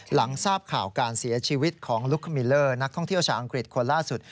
หลังทราบข่าวการเสียชีวิตของลูกขมิลเลอร์นักท่องเที่ยวชาวอังกฤษคนล่าสุด